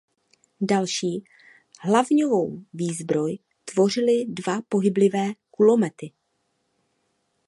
Další hlavňovou výzbroj tvořily dva pohyblivé kulomety.